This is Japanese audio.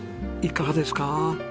いかがですか？